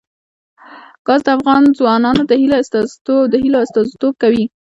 ګاز د افغان ځوانانو د هیلو استازیتوب کوي.